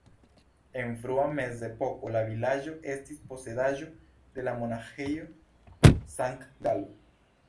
En frua mezepoko la vilaĝo estis posedaĵo de la Monaĥejo Sankt-Galo.